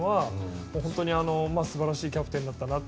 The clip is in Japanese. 本当に素晴らしいキャプテンだったなと。